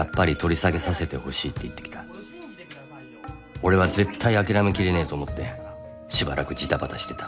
俺は絶対諦めきれねぇと思ってしばらくじたばたしてた。